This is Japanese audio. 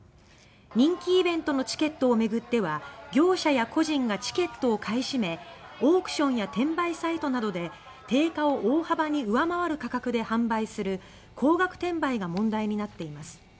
人気イベントのチケットをめぐっては業者や個人がチケットを買い占めオークションや転売サイトなどで定価を大幅に上回る価格で販売する高額転売が問題になっています。